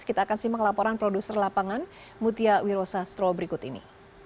kita akan simak laporan produser lapangan mutia wirosastro berikut ini